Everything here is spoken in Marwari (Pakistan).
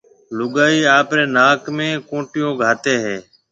لوگائيَ آپريَ ناڪ ۾ ڪونٽيو گھاتيَ ھيََََ